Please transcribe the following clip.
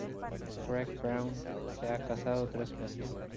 Greg Brown se ha casado tres veces.